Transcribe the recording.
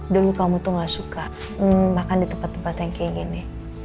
dulu kamu tuh gak suka makan di tempat tempat yang kayak gini